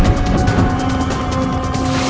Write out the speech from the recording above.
bukakan pintu untukku